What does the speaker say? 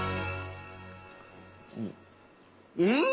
うん！